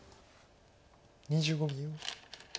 ２５秒。